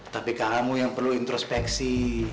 tapi kamu yang perlu introspeksi